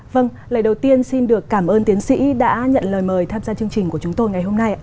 vâng lời đầu tiên xin được cảm ơn tiến sĩ đã nhận lời mời tham gia chương trình của chúng tôi ngày hôm nay